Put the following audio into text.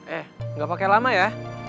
eh gak pake lama ya